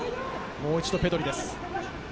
もう一度ペドリです。